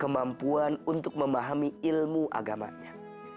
kemampuan untuk memahami ilmu agamanya